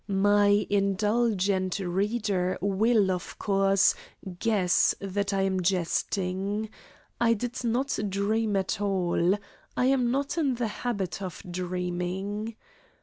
My indulgent reader will, of course, guess that I am jesting. I did not dream at all. I am not in the habit of dreaming.